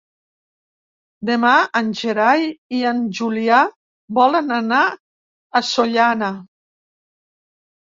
Demà en Gerai i en Julià volen anar a Sollana.